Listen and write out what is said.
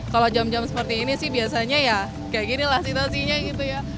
kalau jam jam seperti ini sih biasanya ya kayak ginilah situasinya gitu ya